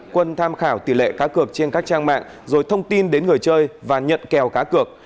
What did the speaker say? quân tham khảo tỷ lệ cá cược trên các trang mạng rồi thông tin đến người chơi và nhận kèo cá cược